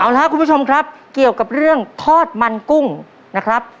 เอาละครับคุณผู้ชมครับเกี่ยวกับเรื่องทอดมันกุ้งนะครับ